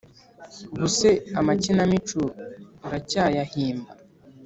ubu se amakinamico uracyayahimba?